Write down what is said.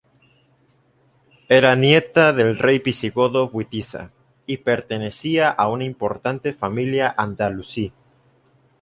Era nieta del rey visigodo Witiza, y pertenecía a una importante familia andalusí.